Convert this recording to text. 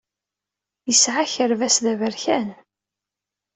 Yesɛa akerbas d aberkan.